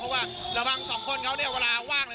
เพราะว่าระหว่างสองคนเขาเวลาว่างเลย